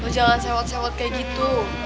lo jangan sewot sewot kayak gitu